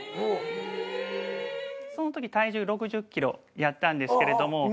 その時体重６０キロやったんですけれども。